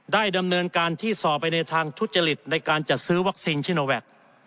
ดำเนินการที่สอบไปในทางทุจริตในการจัดซื้อวัคซีนชิโนแวค